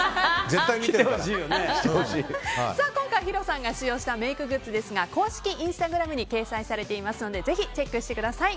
今回ヒロさんが使用したメイクグッズですが公式インスタグラムに掲載されていますのでぜひチェックしてください。